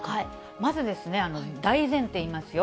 まずですね、大前提言いますよ。